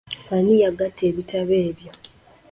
Ani yagatta ebitabo ebyo.